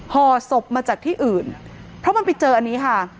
ห่อศพมาจากที่อื่นเพราะมันไปเจออันนี้ค่ะ